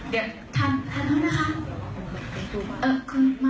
ขอโทษนะคะ